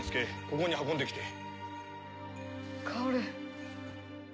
ここに運んで来て。